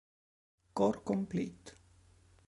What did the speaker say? Core Complete.